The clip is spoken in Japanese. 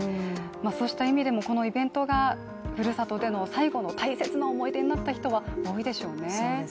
そうした意味でもこのイベントがふるさとでの大切な思い出になった人は多いでしょうね。